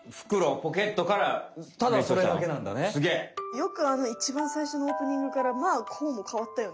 よくあのいちばんさいしょのオープニングからまあこうもかわったよね。